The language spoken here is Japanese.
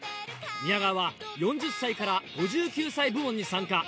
宮川は４０歳から５９歳部門に参加。